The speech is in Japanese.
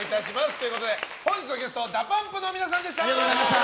ということで本日のゲストＤＡＰＵＭＰの皆さんでした！